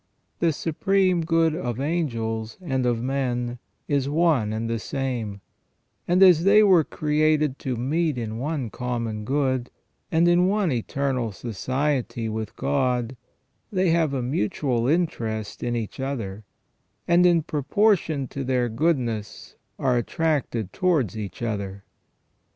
The supreme good of angels and of 284 THE FALL OF MAN men is one and the same ; and as they were created to meet in one common good, and in one eternal society with God, they have a mutual interest in each other, and in proportion to their goodness are attracted towards each other.